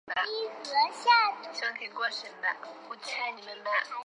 与中国人民解放军国防大学友好交往关系。